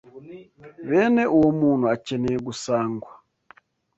Bene uwo muntu akeneye gusangwa